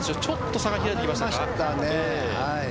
ちょっと差が開いて来ましたか？